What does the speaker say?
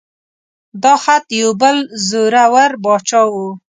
دا خط د یو بل زوره ور باچا و.